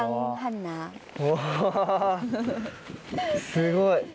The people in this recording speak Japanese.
おすごい。